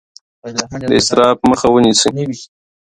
د اسراف مخه ونیسئ.